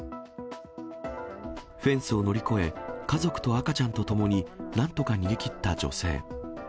フェンスを乗り越え、家族と赤ちゃんとともになんとか逃げ切った女性。